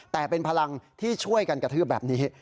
แต่เป็นพลังที่ช่วยกันกระทืบแบบนี้